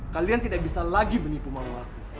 kalian tidak bisa lagi menipu malu aku